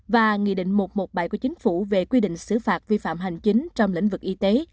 và nghị định một trăm một mươi bảy của chính phủ về quy định xử phạt vi phạm hành chính trong lĩnh vực y tế